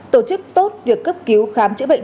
tổ chức tốt được cấp cứu khám chữa bệnh